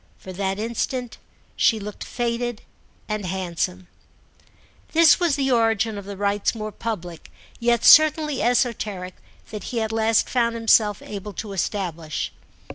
For that instant she looked faded and handsome. This was the origin of the rites more public, yet certainly esoteric, that he at last found himself able to establish.